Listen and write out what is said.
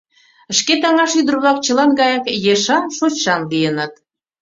Шке таҥаш ӱдыр-влак чылан гаяк ешан-шочшан лийыныт.